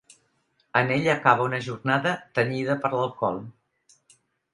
En ella acaba una jornada tenyida per l'alcohol.